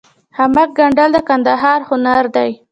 د خامک ګنډل د کندهار هنر دی.